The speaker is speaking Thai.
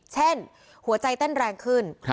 เช่นหัวใจเต้นแรงขึ้น